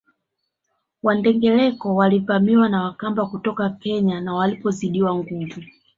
Wandengereko walivamiwa na Wakamba kutoka Kenya na walipozidiwa nguvu